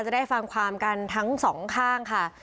จะได้ฟังความกันทั้งสองข้างค่ะ